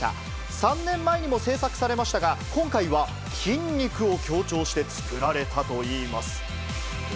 ３年前にも制作されましたが、今回は筋肉を強調して作られたといいます。